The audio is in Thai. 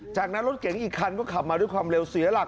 จากนั้นรถเก๋งอีกคันก็ขับมาด้วยความเร็วเสียหลัก